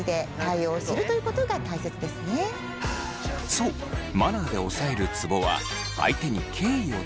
そうマナーで押さえるツボは相手に敬意を伝えること。